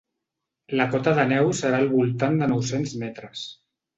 La cota de neu serà al voltant de nou-cents metres.